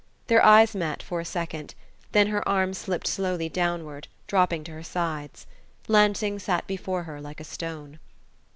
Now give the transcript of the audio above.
Their eyes met for a second; then her arms slipped slowly downward, dropping to her sides. Lansing sat before her like a stone.